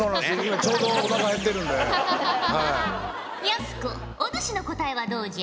やす子お主の答えはどうじゃ？